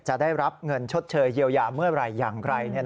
จะได้รับเงินชดเชยเยียวยาเมื่อไหร่อย่างไร